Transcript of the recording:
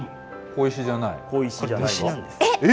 小石じゃない？え？